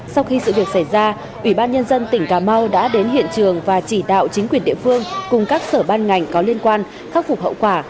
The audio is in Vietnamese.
sau khi sự việc xảy ra ủy ban nhân dân tỉnh cà mau đã đến hiện trường và chỉ đạo chính quyền địa phương cùng các sở ban ngành có liên quan khắc phục hậu quả